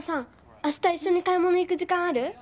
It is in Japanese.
明日一緒に買い物行く時間ある？